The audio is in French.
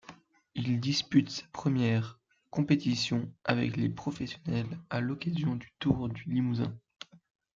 Il dispute sa première compétition avec les professionnels à l'occasion du Tour du Limousin.